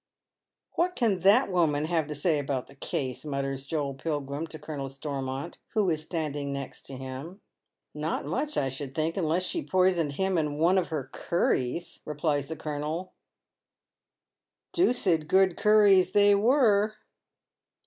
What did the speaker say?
" What can that woman have to say about the case ?" mutters Joel Pilgrim to Colonel Stormont, who is standing next him. " Not much, I should think, unless she poisoned him in one of her curries," repHes the colonel ; "doocid good curries they were."